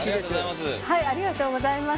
ありがとうございます。